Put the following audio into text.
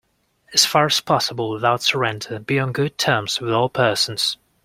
As far as possible, without surrender, be on good terms with all persons.